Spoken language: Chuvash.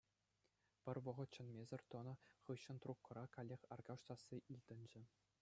Пӗр вӑхӑт чӗнмесӗр тӑнӑ хыҫҫӑн трубкӑра каллех Аркаш сасси илтӗнчӗ.